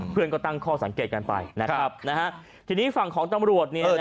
เพื่อนก็ตั้งข้อสังเกตกันไปนะครับนะฮะทีนี้ฝั่งของตำรวจเนี่ยนะฮะ